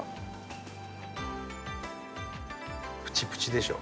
プチプチでしょ？